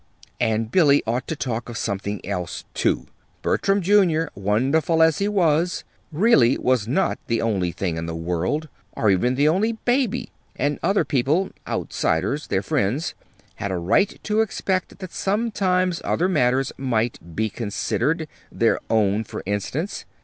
And Billy ought to talk of something else, too! Bertram, Jr., wonderful as he was, really was not the only thing in the world, or even the only baby; and other people outsiders, their friends had a right to expect that sometimes other matters might be considered their own, for instance.